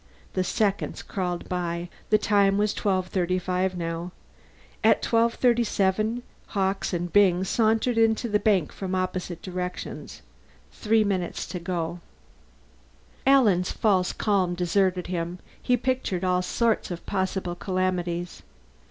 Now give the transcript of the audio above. The seconds crawled by. The time was 1235, now. At 1237 Hawkes and Byng sauntered into the bank from opposite directions. Three minutes to go. Alan's false calm deserted him; he pictured all sorts of possible calamities.